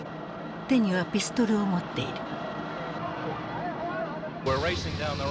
手にはピストルを持っている。